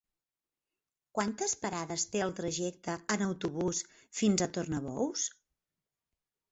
Quantes parades té el trajecte en autobús fins a Tornabous?